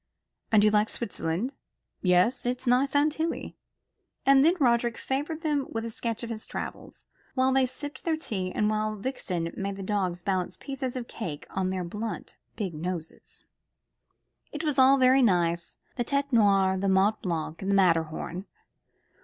"And you like Switzerland?" "Yes; it's nice and hilly." And then Roderick favoured them with a sketch of his travels, while they sipped their tea, and while Vixen made the dogs balance pieces of cake on their big blunt noses. It was all very nice the Tête Noire, and Mont Blanc, and the Matterhorn.